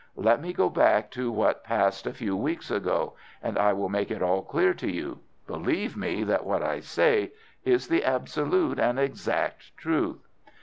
Let me go back to what passed a few weeks ago, and I will make it all clear to you. Believe me that what I say is the absolute and exact truth.